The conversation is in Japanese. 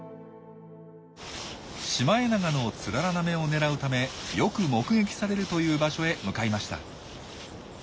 シマエナガのツララなめをねらうためよく目撃されるという場所へ向かいました。